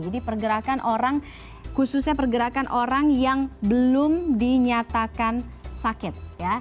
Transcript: jadi pergerakan orang khususnya pergerakan orang yang belum dinyatakan sakit